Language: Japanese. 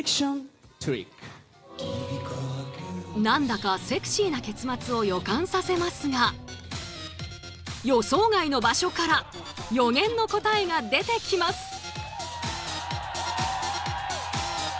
何だかセクシーな結末を予感させますが予想外の場所から予言の答えが出てきます。